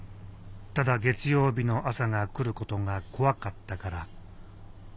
ただ月曜日の朝が来ることが怖かったから。